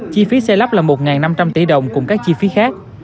chi phí xây lắp là một năm trăm linh tỷ đồng cùng các chi phí khác